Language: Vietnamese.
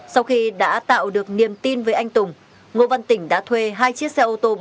sau khi đã tạo được niềm tin với anh tùng ngô văn tỉnh đã thuê hai chiếc xe ô tô